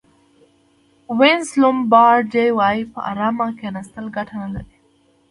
وینس لومبارډي وایي په ارامه کېناستل ګټه نه لري.